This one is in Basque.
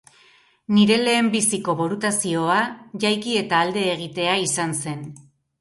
Nire lehenbiziko burutazioa jaiki eta alde egitea izan zen.